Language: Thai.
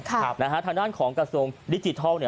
ทางด้านของกระทรวงดิจิทัล